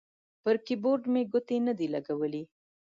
پر کیبورډ مې ګوتې نه دي لګولي